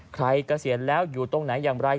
เกษียณแล้วอยู่ตรงไหนอย่างไร